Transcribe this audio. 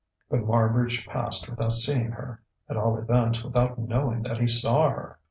But Marbridge passed without seeing her, at all events without knowing that he saw her.